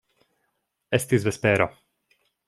Estis vespero.